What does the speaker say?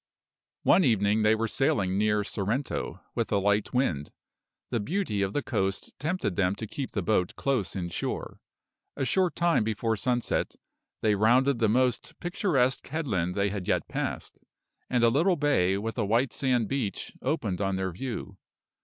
One evening they were sailing near Sorrento, with a light wind. The beauty of the coast tempted them to keep the boat close inshore. A short time before sunset, they rounded the most picturesque headland they had yet passed; and a little bay, with a white sand beach, opened on their view.